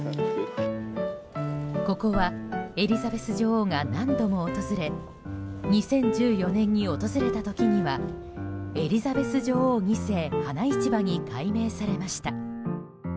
ここは、エリザベス女王が何度も訪れ２０１４年に訪れた時にはエリザベス女王２世花市場に改名されました。